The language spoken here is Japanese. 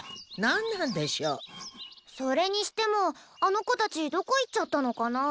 それにしてもあの子たちどこ行っちゃったのかなあ。